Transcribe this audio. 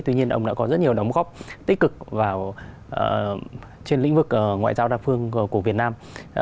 tuy nhiên ông đã có rất nhiều đóng góp tích cực vào trên lĩnh vực ngoại giao đa phương của việt nam